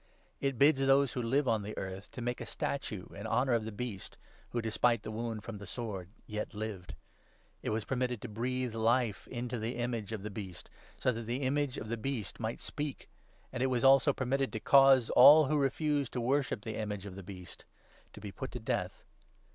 It bids those who live on the earth to make a statue in honour of the Beast, who, despite the wound from the sword, yet lived. It was permitted to breathe life into the 15 image of the Beast, so that the image of the Beast might speak ; and it was also permitted to cause all who refused to worship the image of the Beast to be put to death.